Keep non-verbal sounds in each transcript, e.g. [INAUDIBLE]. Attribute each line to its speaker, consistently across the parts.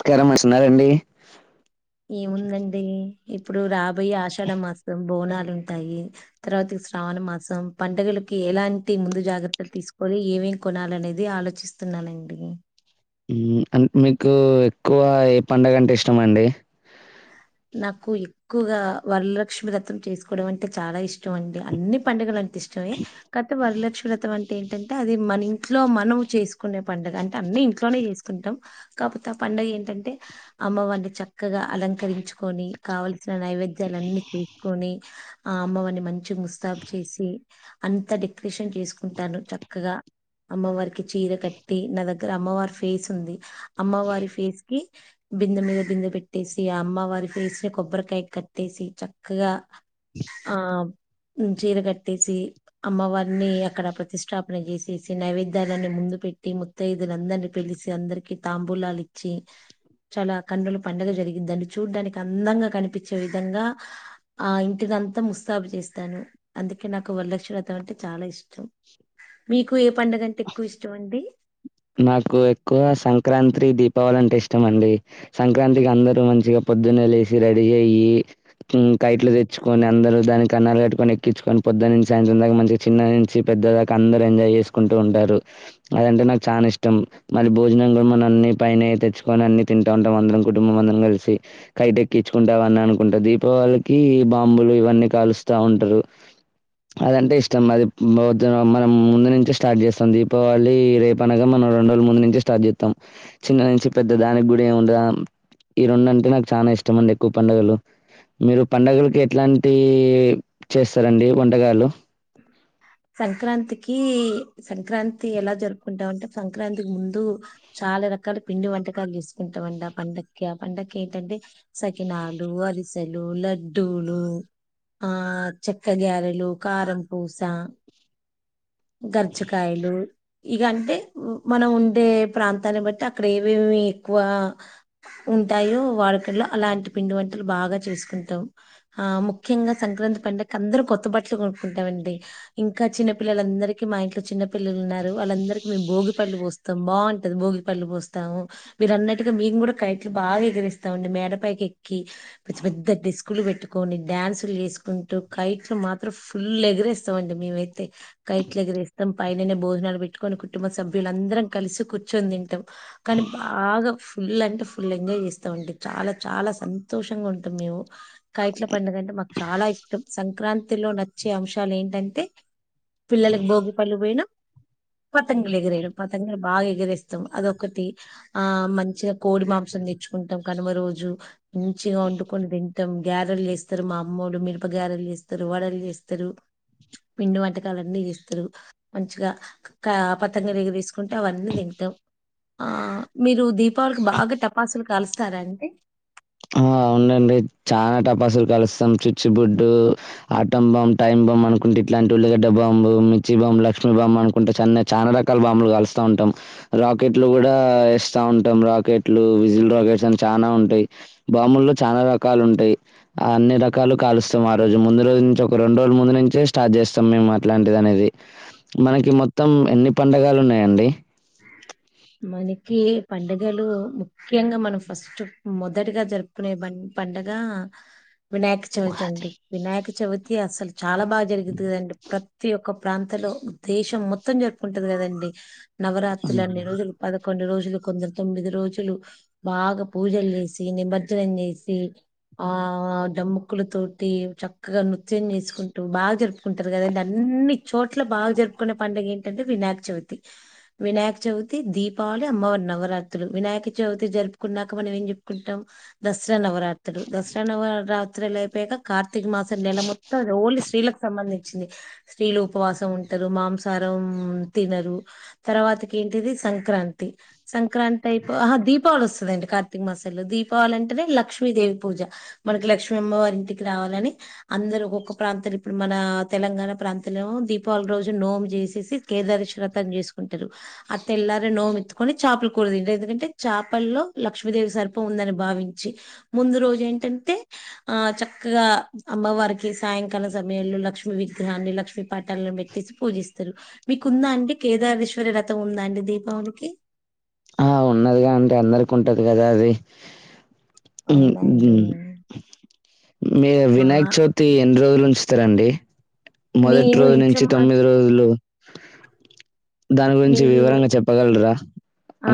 Speaker 1: స్కారం అస్తున్నారా అండీ
Speaker 2: ఏముందండీ ఇప్పుడూ రాబోయె ఆషాఢ మాసం బోనాలుంటాయీ తర్వాత శ్రావణ మాసం పండగలకి ఎలాంటి ముందు జాగ్రత్తల్ తీసుకొవలీ ఏమేం కొనాలినేది ఆలోచిస్ స్తున్నానండీ
Speaker 1: ఉమ్ అం మికూ ఎక్కువా ఏ పండగంటే ఇష్టమండీ
Speaker 2: నాకూ ఎ క్కువగా వరలక్ష్మి వ్రతం చేసుకోవడం అంటె చాలా ఇష్టమండి అన్ని పండుగలం టిష్టమే కాతె వరలక్ష్మి వ్రతం అంటే టంటే అది మనింట్లో మనం చేసుకునే పండగ అంటె అన్నీ ఇంట్లోనే యేసుకుంటం కాపోతే ఆ పండగేంటంటే అమ్మవారిని చక్కగా అలం కరించుకోని కావల్సిన నైవేద్యాలన్ని చేసుకొని ఆ అమ్మవారిని మంచిగ్ ముస్తాబు చేసి అంత డెకరేషన్ కేసుకుంటాను చక్కగా అమ్మవారికి చీర కట్టి నా దగ్గర అమ్మవారి ఫేసుంది అమ్మవారి ఫేస్ కి బిందె మీద బిందె పెట్టేసి ఇగ అమ్మవారి ఫేస్ ని కొబ్బరికాయ కట్టేసీ చక్కగా ఆ మ్ చీర కట్టేసీ అమ్మవారినీ అక్కడ ప్రతిష్టపన చేసేసి నైవేద్యాలన్ని ముందు పెట్టి ముత్తాయిదువులందరిని పిల్సి అందరికి తాంబూలాలు ఇచ్చి చాలా కన్నుల పండగ జరిగి దాన్ని చూడ్డానికి అందాంగా కనిపించే విధంగా ఆ ఇంటి ని అంత ముస్తాబు చేస్తాను అందుకే నాకు వరలక్ష్మి వ్రతం అంటే చాలా ఇష్టం మీకు ఏ పండగ అంటే ఎక్కువ ఇష్టం అండి
Speaker 1: నాకు ఎక్కువ సంక్రాంత్రీ దీపావళి అంటే ఇష్టం అండి సంక్రాంతికి అందరు మంచిగా పొద్దున్న లేసి రెడీ అయ్యి ఉ కైట్లు తెచ్చుకని అందరు దాని కన్నాలు కొట్టుకొని ఎక్కించుకొని పొద్దునించి సాయంత్రం దాకా మంచిగ చిన్న నుంచి పెద్ద దాకా అందరు ఎంజాయ్ చేస్కుంటూ ఉంటారు అది అంటే నాకు చానా ఇష్టం మళ్ళీ భోజనం గూడా మన అన్ని పైనే తెచ్చుకొని అన్ని తింటా ఉంటాం అందరం కుటుంబం అందరం కాల్సి కైటెక్కించుకుంటా అవన్నీ అనుకుంట దీపావళికీ బాంబులు ఇవన్నీ కాలుస్తా ఉంట్రూ అదంటే ఇష్టం అది బోదునా మనం ముందు నుంచే స్టాట్ చేసాం దీపావళీ రేపు పండగ మన రోన్రోల్ ముందు నుంచె స్టాట్ జెత్తం చిన్న నుంచి పెద్ద దానికి గూడా ఏముండ ఈ రెండు అంటే నాకు చానా ఇష్టం అండి ఎక్కువ పండుగలు మీరు పండుగలకి ఎట్లాంటీ చేసారండి వంటకాలు
Speaker 2: సంక్రాంతికీ సంక్రాంతి ఎలా జరుపుకుంటాం అంటే సంక్రాంతికి ముందు చాలా రకాల పిండి వంటకాలు చెస్కుంటావంట పండక్కి ఆ పండక్కి ఏంటంటే సకినాలూ అరిసెలూ లడ్డూలూ ఆ చెక్క గ్యారెలు కారం పూస గర్చాకాయలు ఇగ అంటే మనం ఉండే ప్రాంతాన్ని బట్టి అక్కడ ఏవేమి ఎక్కువా ఉంటాయో వారికేల అలాంటి పిండి వంటలు బాగా చేస్కుంటాం ఆ ముఖ్యంగా సంక్రాంతి పండుగ్కి అందురూ కొత్త బట్టలు కొనుక్కుంటామండి ఇంకా చిన్నపిల్లలందరు ఇట్లు మా ఇంట్లో చిన్న పిల్లలు ఉన్నారు అల్లందరికీ మేము భోగి పళ్ళు బోస్తాం బావుంటది భోగి పళ్ళు బోస్తాము మీరు అన్నట్టుగా మీమ్ గూడా కైట్లు బాగా ఎగిరిస్తామండి మేడపైకి ఎక్కి పెద్ద పెద్ద డెస్కు లు పెట్టుకొని డాన్సులు ఎస్కుంటూ కైట్లు మాత్రం ఫుల్ ఎగరేస్తాం అండి మేమైతే తే కైట్లు ఎగిరేస్తాం పైననే భోజనాలు పెట్టుకొని కుటుంబ సభ్యులందరం కలిసి కూచ్చొని తింటాం కానీ బాగా ఫుల్ అంటే ఫుల్ ఫుల్ ఎంజాయ్ చేస్తాం అండి చాలా చాలా సంతోషంగా ఉంటాం మేము కట్ల పండగ అంటే మాకు చాలా ఇష్టం సంక్రాంతి లో నచ్చే అంశాలు ఏంటంటే పిల్లకి భోగి పల్లు పోయినా పతంగిల్ ఎగిరేయడం పతంగిలు బాగా ఎగరేస్తాం అదొకటి ఆ మంచిగా కోడి మాంసాం తెచ్చుకుంటాం కనుమ రోజు మంచిగా ఒండుకొని తిం టాం గ్యారెలు జెస్తారు మా అమ్మొలు మిరప గ్యారెలు జెస్తారు వడలు జెస్తారు పిండి వంట కలన్నీ జెస్తారు మంచిగా కా పతంగులు ఎగరేస్కుంట అవన్నీ తింటాం ఆ మీరు దీపావళికి బాగా టపాసులు కలుస్తారా అండి
Speaker 1: ఆ అవునండి చానా టపాసులు కలుస్తాం చిచ్చు బుడ్డు ఆటం బాంబ్ టైమ్ బాంబ్ అనుకుంటా ఇట్లాంటి ఉళ్ళిగడ్డ బాంబు మిచ్చి బాంబ్ లక్ష్మిీ బాంబ్ అనుకుంటా చెన్న చానా రకాల బాంబులు కలుస్తా ఉంటాం రాకెట్లు గూడా ఏస్తా ఉంటాం రాకెట్లు విజిల్ రాకెట్స్ అని చానా ఉంటై బాంబుల్లో చానా రకాలు ఉంటాయి ఆ అన్ని రకాలు కాలుస్తాం ఆరోజు ముందు రోజు నుంచి ఒక రోన్ రోల ముందు నుంచే స్టార్ట్ జెస్తాం మేము అట్లాంటిది అనేది మనకి మొత్తం ఎన్ని పండగలు ఉన్నాయండి
Speaker 2: మనకి పండగలు ముఖ్యంగా మనం ఫస్ట్ మొదటిగా జరుపుకునే మన పండగ వినాయక్ చవితి అండి వినాయక చవితి అసలు చాలా బాగా జరుగుతదండి ప్రతి ఒక్క ప్రాంతంలో దేశం మొత్తం జరుపుకుంటది కదండి నవరాత్రులు అన్ని రోజులు పదకొండు రోజులు కొందరు తొమ్మిది రోజులు బాగా పూజలు చేసి నిమజ్జనం చేసి ఆ డముక్కుల తోటి చక్కగా నృత్యం చేసుకుంటూ బాగా జరుపు కుంటారు కదండి అన్ని చోట్ల బాగా జరుపుకునే పండుగ ఏంటంటే వినాయక చవితి వినాయక చవి తి దీపావళి అమ్మవారు నవరాత్రులు వినాయక చవితి జరుపుకున్నాక మనం ఏం చెప్పుకుంటాం దసరా నవరాత్రులు దసరా నవరాత్రుల పైగా కార్తీక మాసం నెల మొత్తం ఓన్లీ స్త్రీలకు సంబంధించింది స్త్రీలు ఉపవాసం ఉంటారు మాంసాహారం తినరు తర్వాతకి ఏంటిది సంక్రాంతి సంక్రాంతి అయిపో ఆహా దీపావళి వస్తుదండి కార్తీక మాసంలో దీపావళి అంటేనే లక్ష్మీదేవి పూజ మనకి లక్ష్మీ అమ్మవారు ఇంటికి రావాలని అందరు ఒక్కొక్క ప్రాంతాలు ఇప్పుడు మన తెలంగాణ ప్రాంతంలో ఏమో దీపావళి రోజు నోము చేసి కేదారేశ్వర వ్రతం చేసుకుంటారు తెల్లారే నోము ఎత్తుకొని చాపల కూర తింటారు ఎందుకంటే చాపల్లో లక్ష్మీదేవి సర్పం ఉందని భావించి ముందు రోజు ఏంటంటే ఆ చక్కగా అమ్మవారికి సాయంకాలం సమయంలో లక్ష్మి విగ్రహాన్ని లక్ష్మీ పటాలను పెట్టేసి పూజిస్తారు మీకు ఉందా అండి కేదారేశ్వర వ్రతం ఉందా అండి దీపావళికి
Speaker 1: ఆ ఉన్నదిగా అండి అందరికి ఉంటది కదా అది మ్మ్
Speaker 2: అవునండి
Speaker 1: మ్మ్ మీరు
Speaker 2: ఆ
Speaker 1: వినాయక్ చవితి ఎన్ని రోజులు ఉంచుతారండి మొదటి
Speaker 2: నేను
Speaker 1: రోజు
Speaker 2: ఇంట్లో
Speaker 1: నుంచి
Speaker 2: మా
Speaker 1: తొమ్మిదో రోజులు దాని గురించి
Speaker 2: నేను
Speaker 1: వివరంగా చెప్పగలరా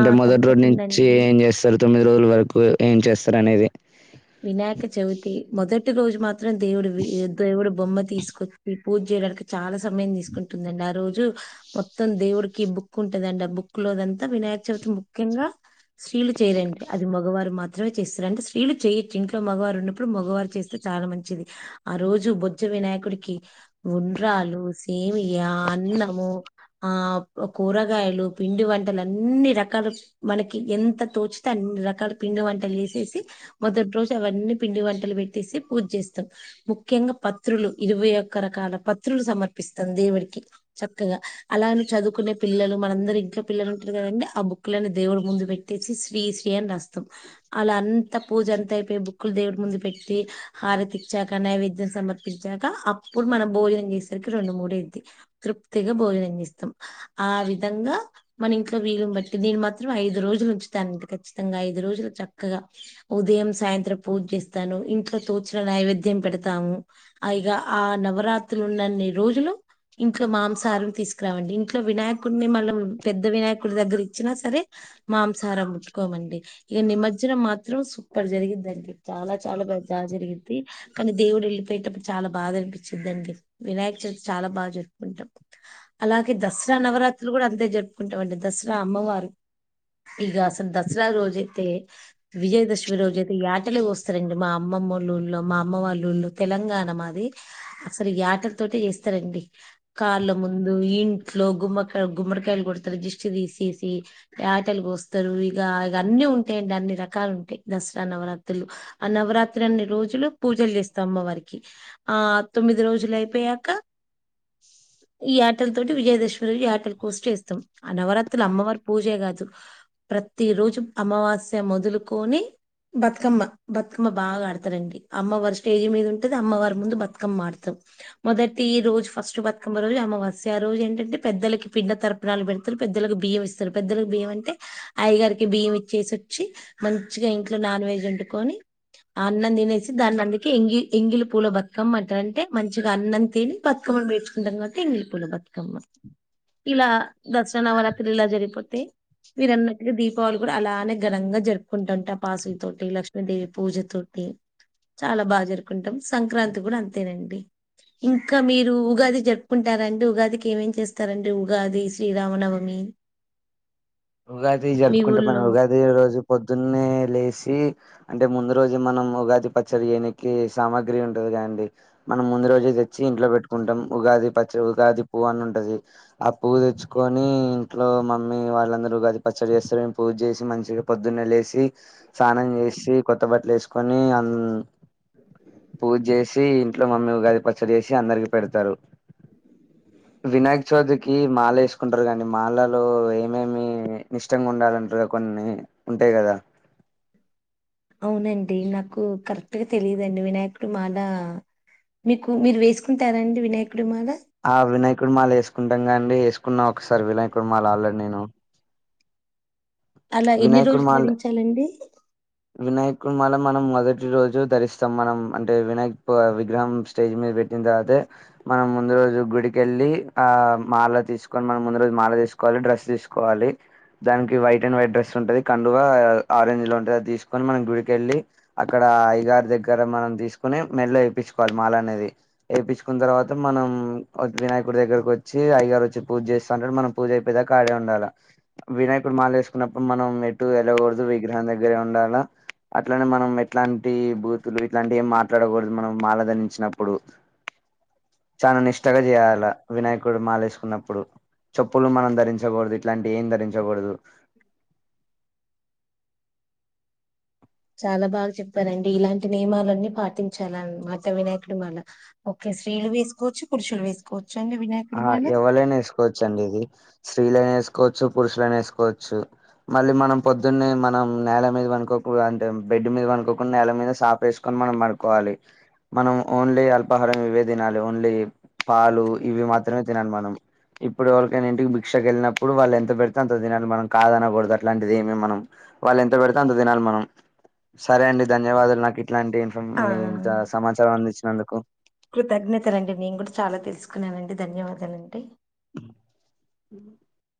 Speaker 2: ఆ
Speaker 1: మొదటి రోజు
Speaker 2: తప్పకుండా
Speaker 1: నుంచి
Speaker 2: అండి
Speaker 1: ఏం చేస్తారు తొమ్మిది రోజుల వరకు ఏం చేస్తారు అనేది
Speaker 2: వినాయక చవితి మొదటి రోజు మాత్రం దేవుడి వి దేవుడు బొమ్మ తీసుకొచ్చి పూజ చేయడానికి చాలా సమయం తీసుకుంటుందండి ఆ రోజు మొత్తం దేవుడికి బుక్ ఉంటదంట ఆ బుక్ లోదంతా వినాయక చవితి ముఖ్యంగా స్త్రీలు చేయరండి అది మగవారు మాత్రమే చేస్తారు అండి స్త్రీలు చేయ ఇంట్లో మగవారు ఉన్నప్పుడు మగవారు చేస్తే చాలా మంచిది ఆ రోజు బొజ్జ వినాయకుడికి ఉండ్రాలు, సేవియా, అన్నము ఆ కూరగాయలు, పిండి వంటలు అన్ని రకాలు మనకి ఎంత తోచితే అన్ని రకాల పిండి వంటలు చెసేసి మొదట్ రోజే అవన్నీ పిండి వంటలు పెట్టేసి పూజ చేస్తాం ముఖ్యంగా పత్రులు ఇరవై ఒక్క రకాల పత్రులు సమర్పిస్తాం దేవుడికి చక్కగా అలానే చదువుకునే పిల్లలు మనందరి ఇంట్లో పిల్లలు ఉంటారు కదండి ఆ బుక్ లని దేవుడు ముందు పెట్టేసి శ్రీ శ్రీ అని రాస్తాం అలా అంత పూజ అంతా అయిప్ బుక్ లు దేవుడి ముందు పెట్టి హారతిచ్చాక నైవేద్యం సమర్పించాక అప్పుడు మనం భోజనం చేసరికి రెండు, మూడు అయిద్ది తృప్తిగా భోజనం చేస్తాం ఆ విధంగా మన ఇంట్లో వీలును బట్టి నేను మాత్రం ఐదు రోజులు ఉంచుతానండి ఖచ్చితంగా ఐదు రోజులు చక్కగా ఉదయం, సాయంత్రం పూజ చేస్తాను ఇంట్లో తోచిన నైవేద్యం పెడతాము అ ఇగా ఆ నవరాత్రులు ఉన్నన్ని రోజులు ఇంట్లో మాంసాహారం తీసుకురామండి ఇంట్లో వినాయకుడిని మళ్ళ మేమ్ పెద్ద వినాయకుడి దగ్గర ఇచ్చినా సరే మాంసాహారం, ముట్టుకోమండి. ఇక, నిమజ్జనామ్ మాత్రం, సూపర్, జరిగిదండి చాలా, చాలా, బాగా, జరిగింది. కానీ, దేవుడు, వెళ్ళిపోయేటప్పుడు, చాలా, బాధ అనిపించిందండి. వినాయకచవితి, చాలా బాగా జరుపుకుంటాం. అలాగే, దసరా, నవరాత్రులు, గుడా అంతే, జరుపుకుంటామ్, అండి, దసరా, నా, అమ్మవారు, ఇగ, అసలు, దసరారోజు, అయితే, విజయదశమి, రోజు, అయితే, ఇ యటలుకోస్తారండి. మా అమ్మ మమోళ్ళు, ఊరిలో మా అమ్మ వాళ్ళ ఉళ్ళో తెలంగాణ, మాది, అసల, యటలతోటే చేస్తారండి. కార్ల, ముందు, ఇంట్లో, గుమ్మకాయ గుమ్మడికాయలు, కొడతారు. దిష్టితీసేసి, యటలుకోస్తారు. ఇక, ఇగ అన్నిఉంటాయండి. అన్ని రకాలు, ఉంటాయి. దసరా, నవరాత్ తుల్లు, ఆనవరాత్రి, అన్ని, రోజులు, పూజలు, చేస్తా, అమ్మ వారికి, ఆ, తొమ్మిది, రోజులు, అయిపోయాక, ఈ యటలతోటి, విజయదశమి, రోజు, యటలు కోసి చేస్తాం, ఆ నవరాత్రులు అమ్మవారి పూజే కాదు, ప్రతిరోజు, అమావాస్య, మోదులుకొని, కమ్మ, బతుకమ్మ, బాగా, ఆడతారండి, అమ్మవారు, స్టేజీ, మీద, ఉంటది. అమ్మవారి, ముందు, బతుకమ్మ, ఆడతాము మొదటి, ఈ రోజు ఫస్ట్ బతుకమ్మ, రోజు అమావాస్య, ఆరోజు, ఏంటంటే, పెద్దలకి, పిండతరప్ పునాలు, పెడతారు. పెద్దోలకు, బియ్యం, ఇస్తారు. పెద్దలకు, బియ్యం, అంటే, అయ్యగారికి, బియ్యం, ఇచ్చేసి, వచ్చి, మంచిగా, ఇంట్లో, నానవెజ్, వండుకొని, ఆ, అన్నం, తినేసి, దాని, అందుకే, ఎంగి, ఎంగిలి పూల బత్కామ్మ, అంటారంటే, మంచిగా అన్నంతిని, బతుకమ్మలు, పెంచుకుంటారు, కాబట్టి యెంగిలి పూల బతుకమ్మ, ఇలా దసరా, నవరత్రిలా, జరిగిపోతే, వీరు, అన్నట్టగే, దీపావళి, కూడా, అలానే, ఘనంగా, జరుపుకుంట, ఉంట, టపాసులతోటి, లక్ష్మీ పూజతోటి, చాలా బాగా జరుకుంటాం. సంక్రాంతి, కూడా, అంతేనండి, ఇంకా, మీరు, ఉగాది, జరుప్, కుంటారండి. ఉగాదికి, ఏమేమ్, చేస్తారండి. ఉగాది శ్రీరామనవమి,
Speaker 1: ఉగాది,
Speaker 2: మీ
Speaker 1: జరుపుకుంటా, మన,
Speaker 2: ఊళ్ళో
Speaker 1: ఉగాదే రోజు పొద్దున్నే లేషి, అంటే, ముందురోజు, మనం, ఉగాది, పచ్చడి, చేయినికి, సామాగ్రి, ఉంటది, కదండి, మనం, ముందు, రోజే, తెచ్చి, ఇంట్లో, పెట్టుకుంటాం. ఉగాది, పచ్చడి, ఉగాది, పువ్, అన్ని ఉంటది. ఆ పువ్వు, తెచ్చుకొని, ఇంట్లో, మమ్మీ, వాళ్ళందరు, ఉగాది, పచ్చడి, చేస్తారు, మేమ్, పూజ చేసి, మంచిగా, పొద్దున్నే, లేేసి, స్నానం, చేశి, కొత్త, బట్టలేసుకొని, అన్, పూజ, చేశి, ఇంట్లో, మమ్మీ, ఉగాది, పచ్చడి, చేశి, అందరికి, పెడతారు. వినాయకచవితికి, మాల, వేసుకుంటారు. కానీ, మాలలో, ఏమేమి, నిష్టంగా, ఉండాలంట్రే, కొన్ని, ఉంటాయి. కదా, కొన్ని
Speaker 2: అవునండి, నాకు, కరెక్ట్, అంటే, తెలిదండి వినాయకుడు, మాలా, మీకు మీరు, వేసుకుంటారండి. వినాయకుడు, మాలా
Speaker 1: ఆ, వినాయకుడిమాల, వేసుకుంటామ్, గాండి, వేసుకున్నా, ఒకసారి, వినాయకుడిమాల ఆల్రెడీ నేను,
Speaker 2: అలా, ఎన్ని, రోజులు, ధరించాలండి.
Speaker 1: వినాయకుని, మాల, మనం, మొదటిరోజు, ధరిస్తాం. మనం, అంటే వినాయక్ విగ్రహం, స్టేజ్, మీదా, పెట్టింనా తర్వాతే మనం, ముందురోజు, గుడికెళ్లి, ఆ, మాల, తీసుకొని, మనం, ముందురోజు, మాల తీసుకుని, వాళ్ళు, డ్రెస్ తీసుకోవాలి. దానికి, వైట్ అండ్ వైట్ డ్రెస్, ఉంటది. కండువ, ఆరంజ్, లో, ఉంటది. అది, తీసుకొని, మనం, గుడికెళ్ళి, అక్కడ, అయ్యగారి, దగ్గర, మనం, తీసుకుని, మెడ్ల వేపించుకోవాలి. మాల అనేది ఏపించుకున్న తర్వాత మనం వినాయకుడి దగ్గరకు వచ్చి అయ్యగారు వచ్చి పూజ చేస్తంటాడు మనం పూజ అయిపోయిదాక అడనే ఉండాల వినాయకుడు మాల వేసుకున్న పు మనం ఎటు వెళ్ళగూడదు విగ్రహం దగ్గరే ఉండాల అట్లానే మనం ఎట్లాంటి బూతులు ఇట్లాంటి ఏం మాట్లాడకూడదు మనం మాలధరించినప్పుడు చాన నిష్టగా జేయాల వినాయకుడు మాలేసుకున్నప్పుడు చెప్పులు మనం ధరించకూడదు ఇట్లాంటి ఏం ధరించకూడదు
Speaker 2: చాలా బాగా చెప్పారండి ఇలాంటి నియమాలన్నీ పాటించాలన్నమాట వినాయకుడు మాల ఓకే స్త్రీలు వేసుకోచ్చు పురుషులు వేసుకోవచ్చు అండి వినాయక
Speaker 1: ఆ ఎవరైనా వేసుకోవచ్చండి ఇది స్త్రీలైన వేసుకోవచ్చు పురుషులైన వేసుకోవచ్చు మళ్ళీ మనం పొద్దున్నే మనం నేల మీద వనుకోకు అంటే బెడ్ మీద వనుకోకుండా నేల మీద సాఫే సుకొని మనం వడుకోవాలి మనం ఓన్లీ అల్పాహారం ఇవ్వే తినాలి ఓన్లీ పాలు ఇవి మాత్రమే తినాలి మనం ఇప్పుడు ఎవరికైనా ఇంటిబిక్షకు వెళ్ళినప్పుడు వాళ్ళు ఎంత పెడితే అంత తినాలే మనం కాదనకూడదు. అట్లాంటిది ఏమి మనం వాళ్ళు ఎంత పెడితే అంత తినాలి. మనం సరే అండి ధన్యవాదాలు నాకు ఇట్లాంటి ఉ
Speaker 2: ఆ
Speaker 1: ఉ ఇంత సమాచారం అందించినందుకు
Speaker 2: కృతజ్ఞతలు అండి నేను కూడా చాలా తెలుసుకున్నానండి ధన్యవాదాలు అండి
Speaker 1: [UNINTELLIGIBLE]